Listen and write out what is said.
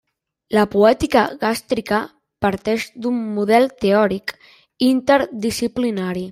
La poètica gàstrica parteix d'un model teòric interdisciplinari.